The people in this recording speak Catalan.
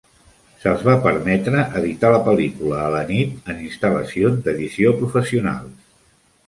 Se'ls va permetre editar la pel·lícula a la nit en instal·lacions d'edició professionals.